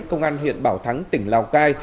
công an huyện bảo thắng tỉnh lào cai